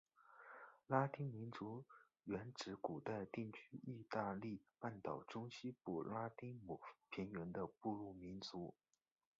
拉丁民族原指古代定居义大利半岛中西部拉丁姆平原的部落民族。